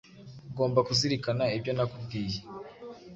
Ugomba kuzirikana ibyo nakubwiye.